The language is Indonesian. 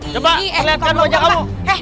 coba kelihatkan wajah kamu